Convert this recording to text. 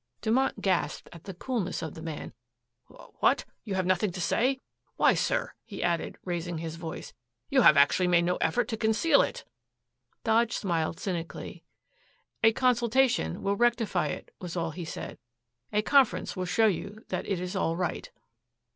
Dumont gasped at the coolness of the man. "Wh what? You have nothing to say? Why, sir," he added, raising his voice, "you have actually made no effort to conceal it!" Dodge smiled cynically. "A consultation, will rectify it," was all he said. "A conference will show you that it is all right."